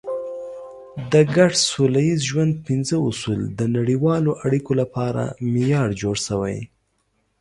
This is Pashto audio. د ګډ سوله ییز ژوند پنځه اصول د نړیوالو اړیکو لپاره معیار جوړ شوی.